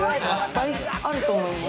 倍あると思います。